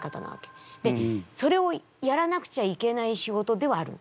でそれをやらなくちゃいけない仕事ではあるの。